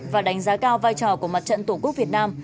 và đánh giá cao vai trò của mặt trận tổ quốc việt nam